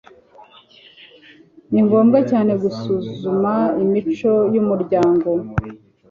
ni ngombwa cyane gusuzuma imico yumuryango